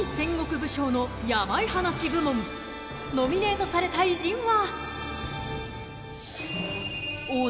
［ノミネートされた偉人は］